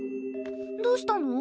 どうしたの？